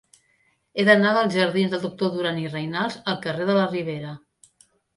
He d'anar dels jardins del Doctor Duran i Reynals al carrer de la Ribera.